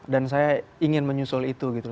dan saya ingin menyusul itu gitu